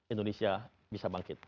indonesia bisa bangkit